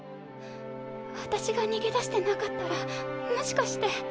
私が逃げ出してなかったらもしかして。